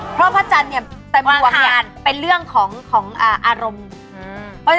เพราะพระจันทร์เนี่ยเต็มดวงเนี่ยเป็นเรื่องของอารมณ์